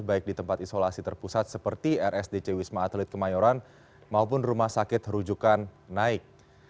baik di tempat isolasi terpusat seperti rsdc wisma atlet kemayoran maupun rumah sakit rujukan naik